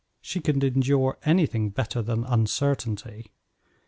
She could endure anything better than uncertainty.